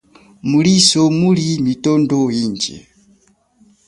Mulito muli mitondo inji.